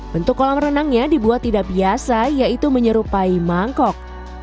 bentuk kolam renangnya dibuat tidak biasa yaitu menyerupai mangkok